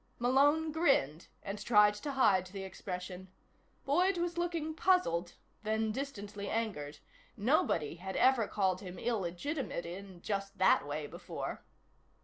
Malone grinned, and tried to hide the expression. Boyd was looking puzzled, then distantly angered. Nobody had ever called him illegitimate in just that way before.